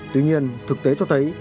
tuy nhiên thực tế cho thấy